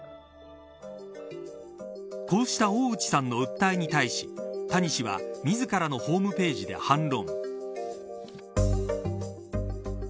こうした大内さんの訴えに対し谷氏は自らのホームページで反論。